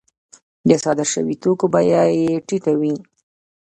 د صادر شویو توکو بیه یې ټیټه وي